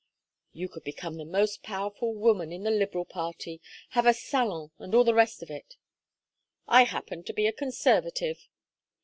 "You could become the most powerful woman in the Liberal party have a salon and all the rest of it." "I happen to be a Conservative."